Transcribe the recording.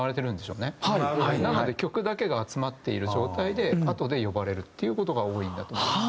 なので曲だけが集まっている状態であとで呼ばれるっていう事が多いんだと。